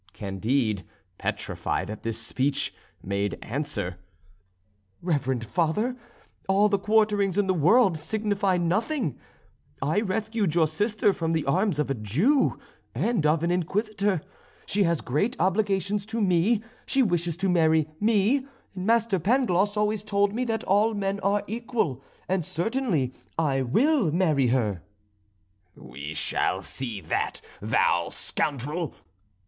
Candide, petrified at this speech, made answer: "Reverend Father, all the quarterings in the world signify nothing; I rescued your sister from the arms of a Jew and of an Inquisitor; she has great obligations to me, she wishes to marry me; Master Pangloss always told me that all men are equal, and certainly I will marry her." "We shall see that, thou scoundrel!"